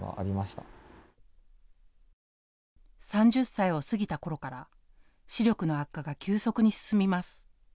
３０歳を過ぎたころから視力の悪化が急速に進みます。